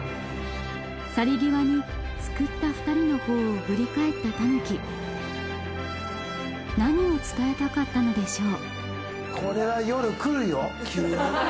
去り際に救った２人の方を振り返ったタヌキ何を伝えたかったのでしょう？